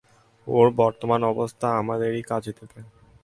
ওর বর্তমান অবস্থা আমাদেরই কাজে দিবে।